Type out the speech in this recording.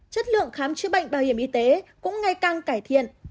chất lượng khám chữa bệnh bảo hiểm y tế cũng ngày càng cải thiện